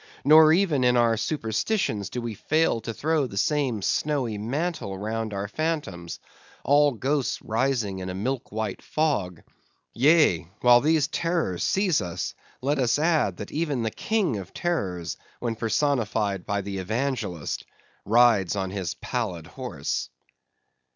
Nor even in our superstitions do we fail to throw the same snowy mantle round our phantoms; all ghosts rising in a milk white fog—Yea, while these terrors seize us, let us add, that even the king of terrors, when personified by the evangelist, rides on his pallid horse.